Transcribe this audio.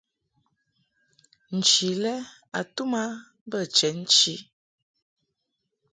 Nchi lɛ a tum a bə chenchi.